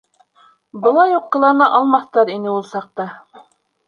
Былай уҡ ҡылана алмаҫтар ине ул саҡта.